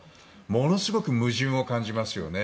ものすごく矛盾を感じますよね。